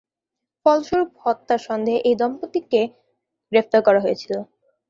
ফলস্বরূপ হত্যার সন্দেহে এই দম্পতিকে গ্রেপ্তার করা হয়েছিল।